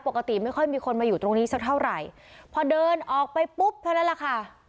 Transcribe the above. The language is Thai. ปกติไม่ค่อยมีคนมาอยู่ตรงนี้สักเท่าไหร่พอเดินออกไปปุ๊บเท่านั้นแหละค่ะ